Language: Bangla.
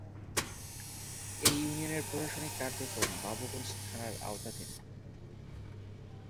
এ ইউনিয়নের প্রশাসনিক কার্যক্রম বাবুগঞ্জ থানার আওতাধীন।